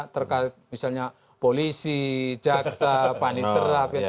terkait misalnya polisi jaksa panitera